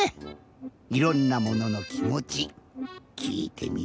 いろんなもののきもちきいてみたいよね。